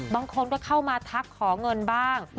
บางคนก็เข้ามาทักขอเงินบ้าง